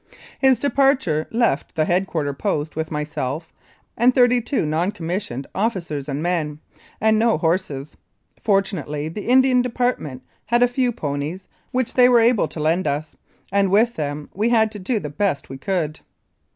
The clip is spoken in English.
His departure left the Head quarter Post with myself and thirty two non commissioned officers and men, and no horses. Fortunately the Indian Department had a few ponies, which they were able to lend us, and with them we had to do the best we could.